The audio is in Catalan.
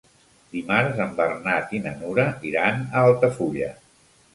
Dimarts en Bernat i na Nura iran a Altafulla.